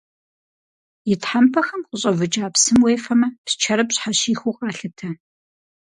И тхьэмпэхэм къыщӏэвыкӏа псым уефэмэ, псчэр пщхьэщихыу къалъытэ.